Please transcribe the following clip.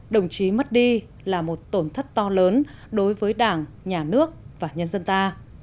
đồng chí mất đi là một tổn thất to lớn đối với đảng nhà nước và nhân dân ta